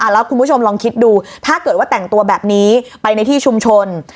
แล้วคุณผู้ชมลองคิดดูถ้าเกิดว่าแต่งตัวแบบนี้ไปในที่ชุมชน